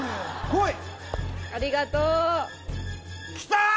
ありがとう来たー！